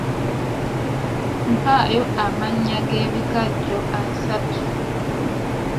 Mpaayo amannya g’ebikajjo asatu.